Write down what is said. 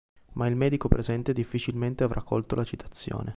Ma il medico presente difficilmente avrà colto la citazione.